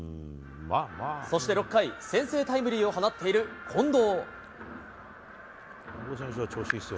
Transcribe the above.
そして６回、先制タイムリーを放っている近藤。